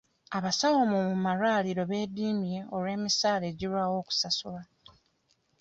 Abasawo mu malwaliro beediimye olw'emisaala egirwawo okusasulwa.